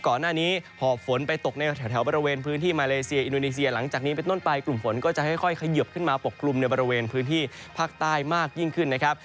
ก่อนหน้านี้หอบฝนไปตกในแถวบริเวณพื้นที่มาเลเซียอินโดนีเซียหลังจากนี้เป็นต้นไปกลุ่มฝนก็จะค่อยเขยิบขึ้นมาปกกลุ่มในบริเวณพื้นที่ภาคใต้มากยิ่งขึ้นนะครับ